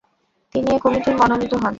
তিনি এ কমিটির মনোনীত হন।